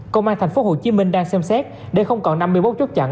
công an tp hcm đang xem xét để không còn năm mươi một chốt chặn